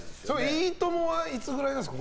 「いいとも！」はいつぐらいなんですか？